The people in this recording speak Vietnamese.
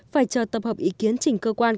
phải chờ tập hợp ý kiến trình cơ quan